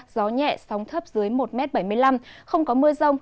gió nhẹ sóng thấp dưới một m bảy mươi năm không có mưa rông